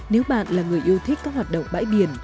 nếu bạn là người yêu thích các hoạt động bãi biển